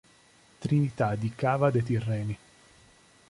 Trinità di Cava de' Tirreni.